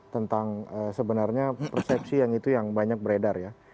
tentang sebenarnya persepsi yang itu yang banyak beredar ya